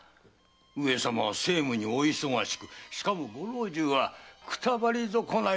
上様は政務にお忙しくしかも老中はくたばり損ないの老いぼれ。